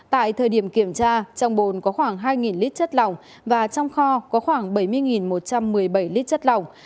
tại thời điểm kiểm tra trong bồn có khoảng hai lít chất lỏng và trong kho có khoảng bảy mươi một trăm một mươi bảy lít chất lỏng